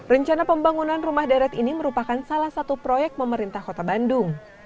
rencana pembangunan rumah deret ini merupakan salah satu proyek pemerintah kota bandung